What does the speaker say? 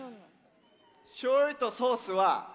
しょうゆとソースはＴＫＮ。